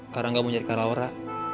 karangga mau nyari kak laura